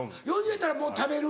やったらもう食べる？